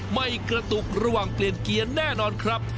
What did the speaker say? ไม่กระตุกระหว่างเปลี่ยนเกียร์แน่นอนครับ